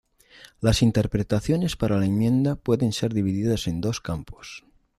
Las interpretaciones para la enmienda pueden ser divididas en dos campos.